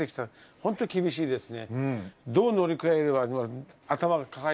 本当に厳しいですね。